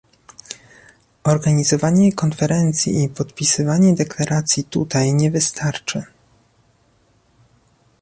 Organizowanie konferencji i podpisywanie deklaracji tutaj nie wystarczy